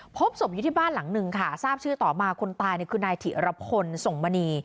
พบศพอยู่ที่บ้านหลังหนึ่งค่ะทราบชื่อต่อมาคนตายคือนายถิรพลส่งมณี